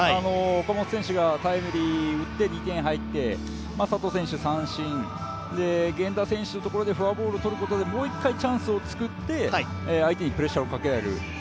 岡本選手がタイムリー打って２点入って佐藤選手、三振、源田選手のところでフォアボールをとることで、もう１度チャンスを作って相手にプレッシャーをかけられる。